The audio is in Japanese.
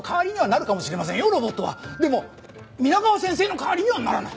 でも皆川先生の代わりにはならない。